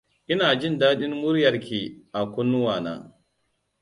Ina jin dadin muryarki a kunnuwa na.